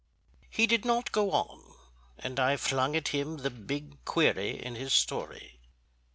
He did not go on, and I flung at him the big query in his story.